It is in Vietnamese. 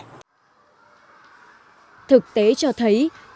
thực tế cho thấy trẻ em khuyết tật là một trường khó khăn đối với trẻ em khuyết tật